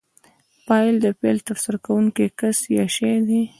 فاعل د فعل ترسره کوونکی کس یا شی دئ.